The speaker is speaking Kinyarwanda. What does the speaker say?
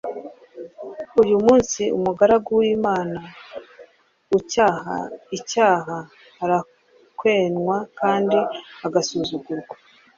n’uyu munsi umugaragu w’imana, ucyaha icyaha, arakwenwa kandi agasuzugurwa